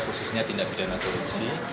khususnya tindak bidana korupsi